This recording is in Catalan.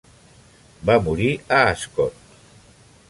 Va morir a Ascot.